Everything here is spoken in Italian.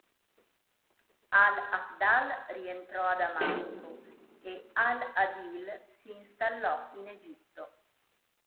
Al-Afdal rientrò a Damasco e al-ʿĀdil s'installò in Egitto.